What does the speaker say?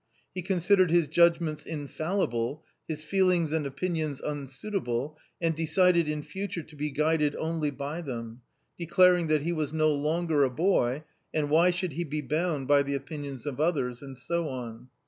He con sidered his judgments infallible, his feelings and opinions unsuitable, and decided in future to be guided only by them, declaring that he was no longer a boy and why should he be bound by the opinions of others, and so on.